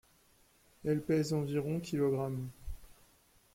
Elle pèse environ kg.